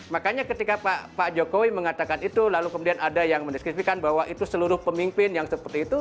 makanya ketika pak jokowi mengatakan itu lalu kemudian ada yang mendiskripsikan bahwa itu seluruh pemimpin yang seperti itu